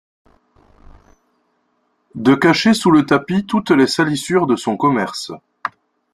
De cacher sous le tapis toutes les salissures de son commerce.